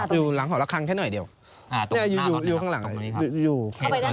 อยู่หลังหอละครั้งแค่หน่อยเดียวอยู่ข้างหลังเลยครับ